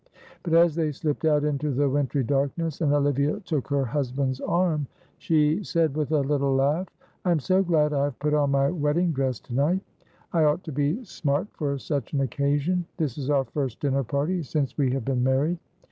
But as they slipped out into the wintry darkness and Olivia took her husband's arm, she said, with a little laugh, "I am so glad I have put on my wedding dress to night. I ought to be smart for such an occasion. This is our first dinner party since we have been married."